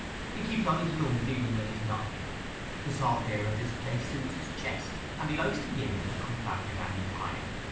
He keeps on his rooms even when he's not here: the soft air of this place suits his chest, and he likes to be able to come back at any time.